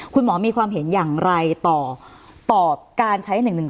คุณหมอมีความเห็นอย่างไรต่อตอบการใช้๑๑๒